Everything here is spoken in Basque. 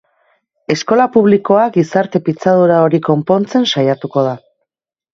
Eskola publikoa gizarte pitzadura hori konpontzen saiatuko da.